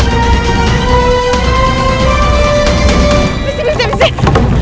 ya pak makasih ya pak